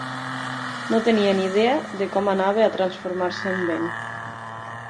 No tenia ni idea de com anava a transformar-se en vent.